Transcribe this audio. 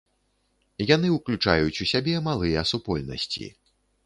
Яны ўключаюць у сябе малыя супольнасці.